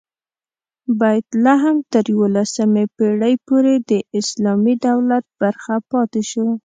بیت لحم تر یوولسمې پېړۍ پورې د اسلامي دولت برخه پاتې شو.